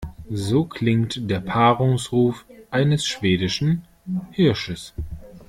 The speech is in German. So klingt der Paarungsruf eines schwedischen Hirsches.